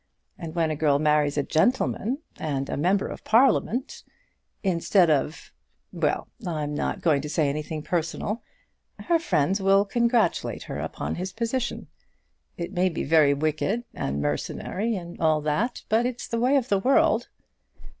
And when a girl marries a gentleman, and a member of Parliament, instead of ; well, I'm not going to say anything personal, her friends will congratulate her upon his position. It may be very wicked, and mercenary, and all that; but it's the way of the world."